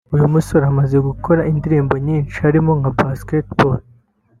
uyu musore amaze gukora indirimbo nyinshi harimo nka Basketball